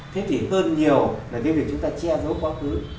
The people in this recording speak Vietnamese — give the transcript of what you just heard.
thế thì hơn nhiều là cái việc chúng ta che giấu con